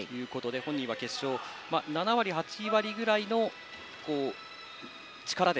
本人は決勝７割、８割ぐらいの力で。